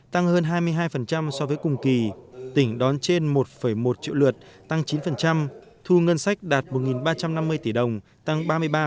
tăng hơn hai mươi hai so với cùng kỳ tỉnh đón trên một một triệu lượt tăng chín thu ngân sách đạt một ba trăm năm mươi tỷ đồng tăng ba mươi ba